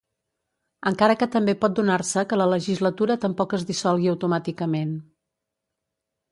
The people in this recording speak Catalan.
Encara que també pot donar-se que la legislatura tampoc es dissolgui automàticament.